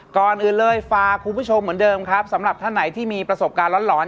ก่อนอื่นเลยฝากคุณผู้ชมเหมือนเดิมครับสำหรับท่านไหนที่มีประสบการณ์หลอน